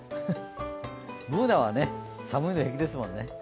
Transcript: Ｂｏｏｎａは寒いの平気ですもんね。